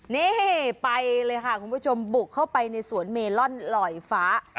นี่ไปเลยค่ะคุณผู้ชมบุกเข้าไปในสวนเมลอนลอยฟ้า